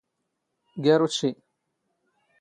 ⴳⴰⵔ ⵓⵜⵛⵉ.